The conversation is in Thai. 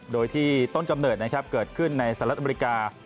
โดยที่ต้นกำเนิดนะครับเกิดขึ้นในสหรัฐอเมริกา